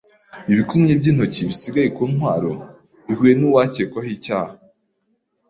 Ibikumwe by'intoki bisigaye ku ntwaro bihuye n'uwakekwaho icyaha.